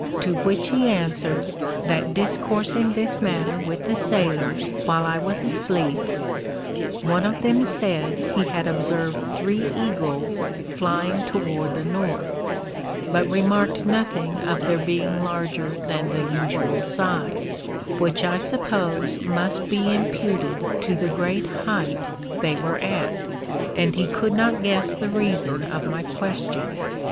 To which he answered, that discoursing this matter with the sailors while I was asleep, one of them said he had observed three eagles flying toward the north, but remarked nothing of their being larger than the usual size; which I suppose must be imputed to the great height they were at; and he could not guess the reason of my question.